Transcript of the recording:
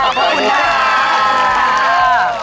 ขอบคุณค่ะ